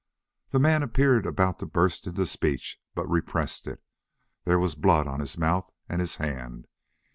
The man appeared about to burst into speech, but repressed it. There was blood on his mouth and his hand.